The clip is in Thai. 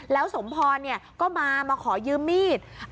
แล้วสมพรก็มามาขอยืมมีด